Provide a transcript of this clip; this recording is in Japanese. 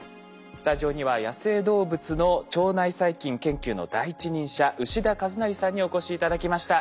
スタジオには野生動物の腸内細菌研究の第一人者牛田一成さんにお越し頂きました。